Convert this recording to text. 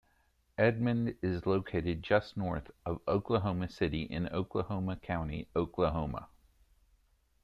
Edmond is located just north of Oklahoma City in Oklahoma County, Oklahoma.